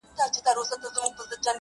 واپس دې وخندل واپس راپسې وبه ژاړې~